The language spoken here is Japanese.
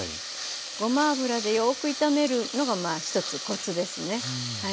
ごま油でよく炒めるのがまあ一つコツですね。